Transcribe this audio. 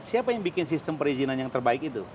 siapa yang bikin sistem perizinan yang terbaik itu